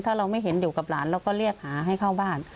ถ้าเราไม่เห็นอยู่กับหลานเราก็เรียกหาให้เข้าบ้าน